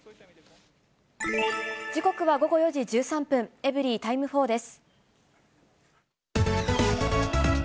時刻は午後４時１３分、エブリィタイム４です。